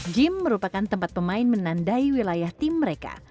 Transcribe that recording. gym merupakan tempat pemain menandai wilayah tim mereka